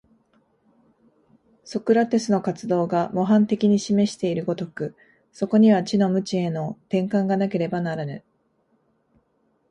ソクラテスの活動が模範的に示している如く、そこには知の無知への転換がなければならぬ。